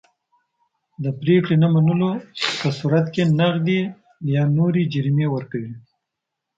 د پرېکړې نه منلو په صورت کې نغدي یا نورې جریمې ورکوي.